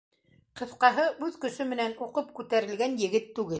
Ҡыҫҡаһы, үҙ көсө менән уҡып күтәрелгән егет түгел.